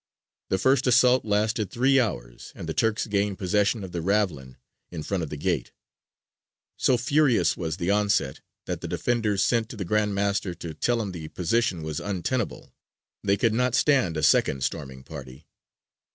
The first assault lasted three hours, and the Turks gained possession of the ravelin in front of the gate; so furious was the onset that the defenders sent to the Grand Master to tell him the position was untenable; they could not stand a second storming party.